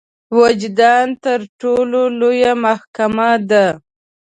وجدان تر ټولو لويه محکمه ده.